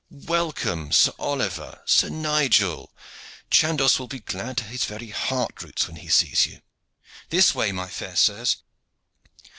Welcome, Sir Oliver, Sir Nigel! Chandos will be glad to his very heart roots when he sees you. This way, my fair sirs.